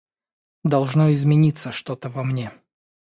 Должно измениться что-то во мне.